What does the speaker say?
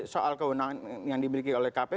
soal kewenangan yang dimiliki oleh kpu